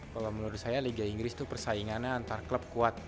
kalau menurut saya liga inggris itu persaingannya antar klub kuat